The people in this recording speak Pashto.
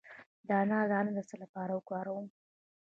د انار دانه د څه لپاره وکاروم؟